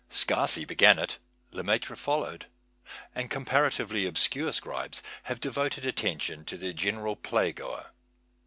Sarcey began it. Lemaitre followed. And comparatively obscure scribes have devoted attention to the general play goer.